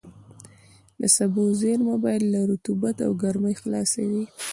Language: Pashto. د سبو زېرمه باید له رطوبت او ګرمۍ خلاصه وي.